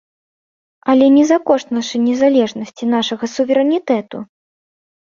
Але не за кошт нашай незалежнасці, нашага суверэнітэту.